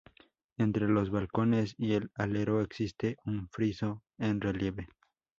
Entre los balcones y el alero existe un friso en relieve.